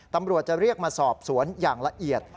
ตำรวจจะเรียกมาสอบสวนอย่างละเอียด